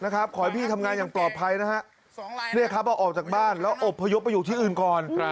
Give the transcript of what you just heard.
ขอให้พี่ทำงานอย่างปลอดภัยนะฮะเอาออกจากบ้านแล้วอบพยพไปอยู่ที่อื่นก่อน